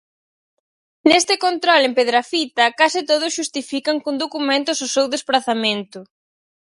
Neste control en Pedrafita case todos xustifican con documentos o seu desprazamento.